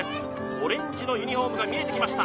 オレンジのユニフォームが見えてきました